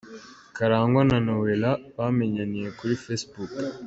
Karangwa na Noella bamenyaniye kuri facebook.